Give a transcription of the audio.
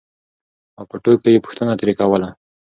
او په ټوکو یې پوښتنه ترې کوله